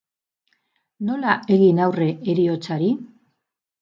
Nola egin aurre heriotzari?